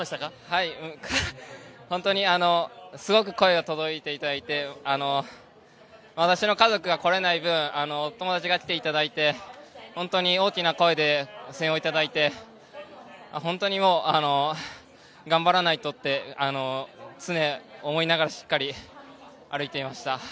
はい、本当にすごく声を届けていただいて私の家族が来れない分友達が来ていただいて本当に大きな声で声援をいただいて本当に頑張らないとって常に思いながらしっかり歩いていました。